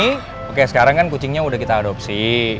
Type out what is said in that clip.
oke sekarang kan kucingnya udah kita adopsi